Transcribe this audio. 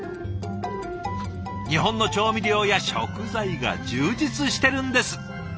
日本の調味料や食材が充実してるんです。